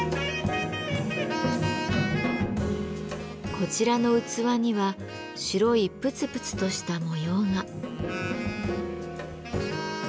こちらの器には白いプツプツとした模様が。